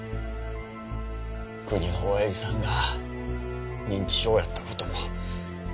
郷里のおやじさんが認知症やった事も。